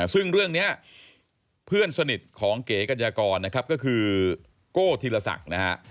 ซึ่งเรื่องนี้เพื่อนสนิทของเก๋กัญญากรนะครับก็คือโก้ธีรศักดิ์นะฮะ